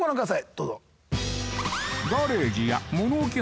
どうぞ。